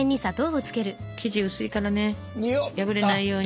生地薄いからね破れないように。